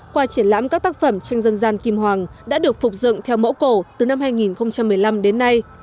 qua triển lãm các tác phẩm tranh dân gian kim hoàng đã được phục dựng theo mẫu cổ từ năm hai nghìn một mươi năm đến nay